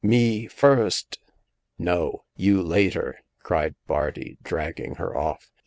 Me first !"" No ! You later !" cried Bardi, dragging her off.